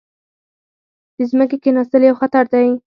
د ځمکې کیناستل یو خطر دی.